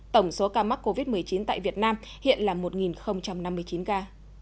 tổng số ca mắc covid một mươi chín tại việt nam hiện là một năm mươi chín ca